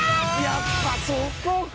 やっぱそうか。